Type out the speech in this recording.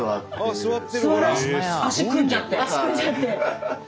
座らせ足組んじゃって。